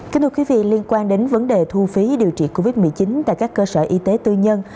kính thưa quý vị liên quan đến vấn đề thu phí điều trị covid một mươi chín tại các cơ sở y tế tư nhân